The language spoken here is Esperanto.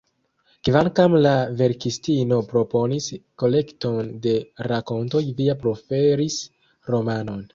Kvankam la verkistino proponis kolekton de rakontoj, Via preferis romanon.